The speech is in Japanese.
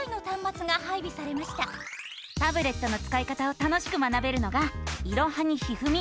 タブレットのつかい方を楽しく学べるのが「いろはにひふみ」。